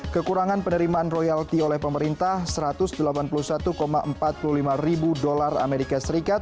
kekurangan penerimaan royalti oleh pemerintah satu ratus delapan puluh satu empat puluh lima ribu dolar as